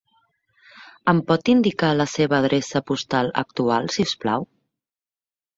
Em pot indicar la seva adreça postal actual, si us plau?